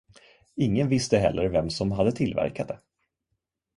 Ingen visste heller vem som hade tillverkat det.